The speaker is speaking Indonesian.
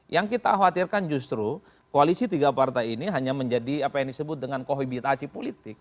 yang kita khawatirkan justru koalisi tiga partai ini hanya menjadi apa yang disebut dengan kohibitasi politik